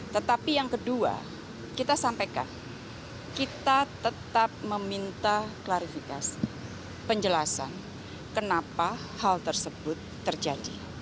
tetapi yang kedua kita sampaikan kita tetap meminta klarifikasi penjelasan kenapa hal tersebut terjadi